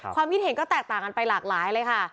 ความคิดเห็นก็แตกต่างกันไปหลากหลายเลยค่ะ